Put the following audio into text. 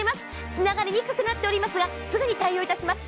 つながりにくくなっておりますがすぐに対応いたします。